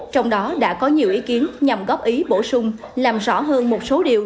trong đó đã có nhiều ý kiến nhằm góp ý bổ sung làm rõ hơn một số điều